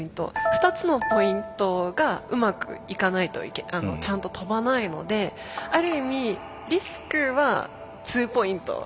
２つのポイントがうまくいかないとちゃんと跳ばないのである意味リスクは２ポイント。